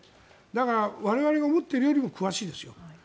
だから我々が思っているよりも詳しいですよ。